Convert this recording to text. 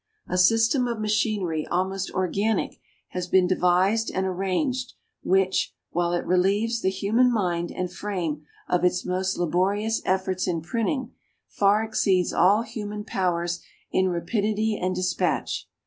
A system of machinery almost organic has been devised and arranged, which, while it relieves the human mind and frame of its most laborious efforts in printing, far exceeds all human powers in rapidity and dispatch.